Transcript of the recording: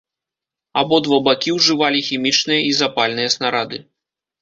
Абодва бакі ўжывалі хімічныя і запальныя снарады.